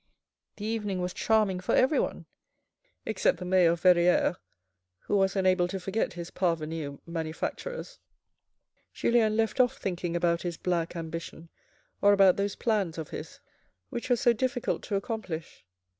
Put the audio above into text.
The evening was charming for everyone, except the mayor of Verrieres, who was unable to forget his parvenu manufacturers. Julien left off thinking about his black ambition, or about those plans of his which were so difficult to accomplish.